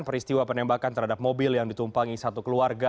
peristiwa penembakan terhadap mobil yang ditumpangi satu keluarga